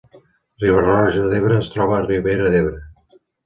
Riba-roja d’Ebre es troba a la Ribera d’Ebre